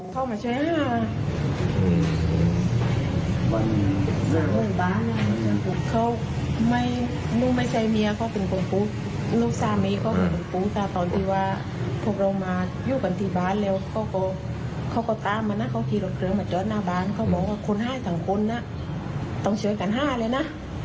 ต้องช่วยตามหาด้วยนะพวกเขาพูดว่าไงค่ะ